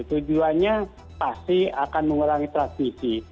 tujuannya pasti akan mengurangi transmisi